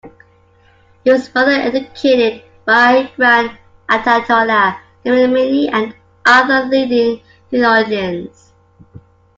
He was further educated by Grand Ayatollah Khomeini and other leading theologians.